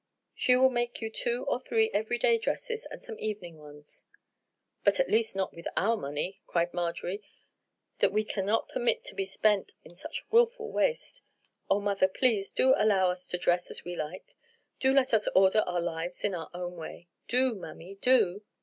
She will make you two or three everyday dresses and some evening ones." "But at least not with our money," cried Marjorie; "that we cannot permit to be spent in such willful waste. Oh, mother, please, do allow us to dress as we like; do let us order our lives in our own way—do, mammy, do."